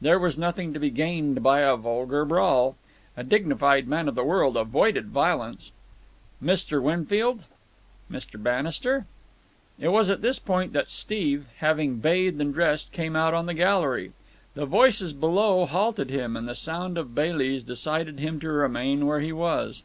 There was nothing to be gained by a vulgar brawl. A dignified man of the world avoided violence. "Mr. Winfield?" "Mr. Bannister?" It was at this point that Steve, having bathed and dressed, came out on the gallery. The voices below halted him, and the sound of Bailey's decided him to remain where he was.